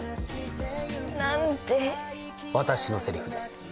私のセリフです。